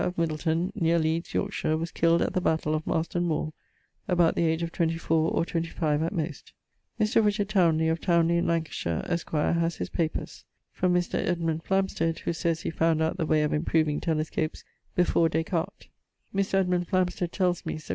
of Middleton, neer Leeds, Yorkshire, was killed at the battaile of Marston moore, about the age of 24 or 25 at most. Mr. Towneley, of Towneley, in Lancashire, esq., haz his papers. From Mr. Edmund Flamsted, who sayes he found out the way of improveing telescopes before Des Cartes. Mr. Edmund Flamsted tells me, Sept.